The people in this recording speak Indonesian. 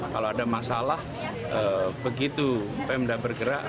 kalau ada masalah begitu pemda bergerak